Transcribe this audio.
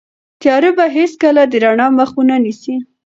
تیاره به هیڅکله د رڼا مخه ونه نیسي.